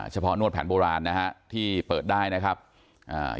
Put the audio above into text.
นวดแผนโบราณนะฮะที่เปิดได้นะครับอ่า